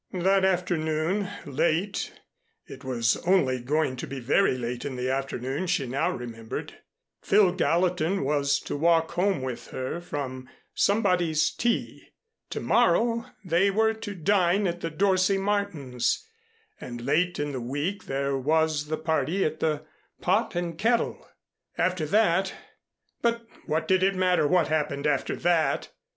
That afternoon late, it was only going to be very late in the afternoon she now remembered, Phil Gallatin was to walk home with her from somebody's tea, to morrow they were to dine at the Dorsey Martin's, and late in the week there was the party at the "Pot and Kettle." After that but what did it matter what happened after that?